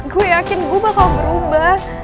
gue yakin gue bakal berubah